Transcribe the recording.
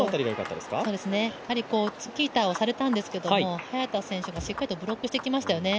チキータをされたんですが早田選手がしっかりとブロックしてきましたよね。